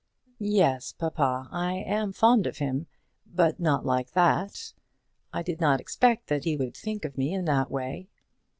"Yes, papa; I am fond of him; but not like that. I did not expect that he would think of me in that way."